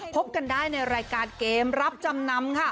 พบกันได้ในรายการเกมรับจำนำค่ะ